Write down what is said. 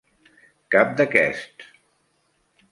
Cap d'aquests.